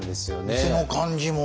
店の感じも。